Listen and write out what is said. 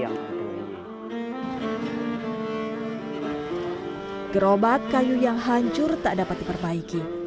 gerobak kayu yang hancur tak dapat diperbaiki